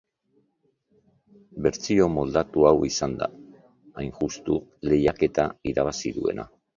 Bertsio moldatu hau izan da, hain justu, lehiaketa irabazi duena.